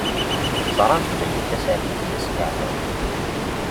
Ẓṛant belli tasertit d askeɛrer.